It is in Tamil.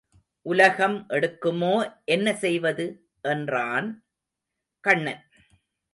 உலகம் எடுக்குமோ என்ன செய்வது? என்றான் கண்ணன்.